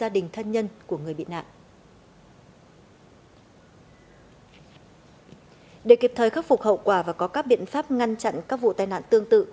để kịp thời khắc phục hậu quả và có các biện pháp ngăn chặn các vụ tai nạn tương tự